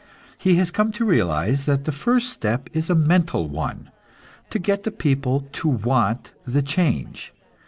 He has come to realize that the first step is a mental one; to get the people to want the change.